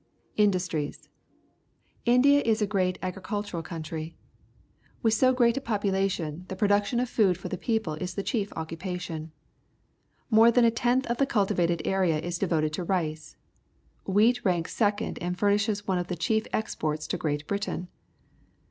Industries. — India is a great agricultural country. With so great a population, the production of food for the people is the chief occupation. More than a tenth of the cultivated area is devoted to rice. Whe at ranks second and furnishes one of the chief exports to Great Britain.